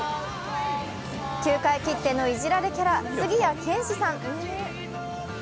球界きってのいじられキャラ杉谷拳士さん。